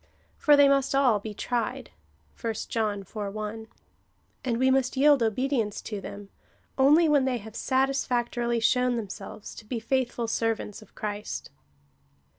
For they must all be tried, (1 John iv. 1,) and we must yield obedience to them, only when they have satis factorily shown themselves to be faithful servants of Christ.